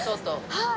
はい。